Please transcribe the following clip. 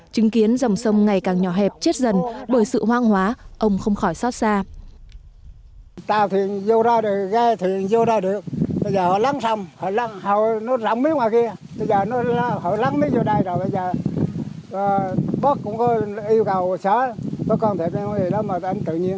chứng kiến dòng sông ngày càng nhỏ hẹp chết dần bởi sự hoang hóa ông không khỏi xót xa